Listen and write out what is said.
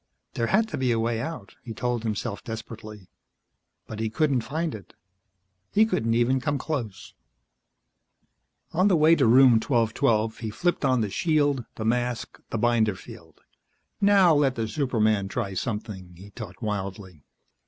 There had to be a way out, he told himself desperately. But he couldn't find it. He couldn't even come close. On the way to Room 1212, he flipped on the shield, the mask, the binder field. Now let the superman try something, he thought wildly.